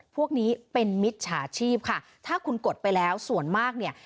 พวกนี้เป็นมิจฉาชีพค่ะถ้าคุณกดไปแล้วส่วนมากเนี่ย